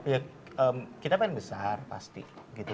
ya kita kan besar pasti gitu